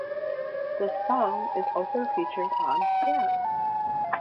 This song is also featured on Dance!